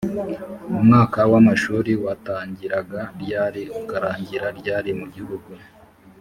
umwaka w amashuri watangiraga ryari ukarangira ryari mu gihugu